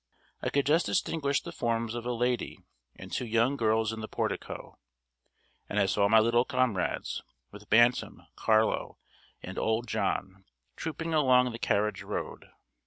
I could just distinguish the forms of a lady and two young girls in the portico, and I saw my little comrades, with Bantam, Carlo, and old John, trooping along the carriage road.